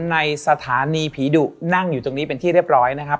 ในสถานีผีดุนั่งอยู่ตรงนี้เป็นที่เรียบร้อยนะครับ